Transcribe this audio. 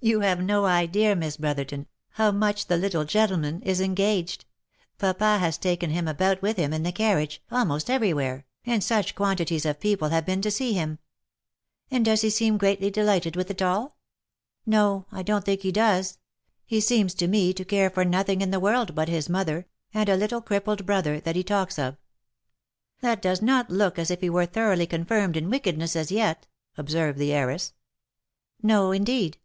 You have no idea, Miss Brotherton, how much the little gentleman is en gaged. Papa has taken him about with him in the carriage, almost every where, and such quantities of people have been to see him !"" And does he seem greatly delighted with it all ?"" No, I don't think he does. He seems to me to care for nothing in the world but his mother, and a little crippled brother that he talks of." " That does not look as if he were thoroughly confirmed in wicked ness as yet," observed the heiress. " No, indeed